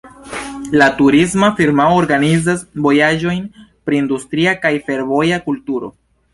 La turista firmao organizas vojaĝojn pri industria kaj fervoja kulturo.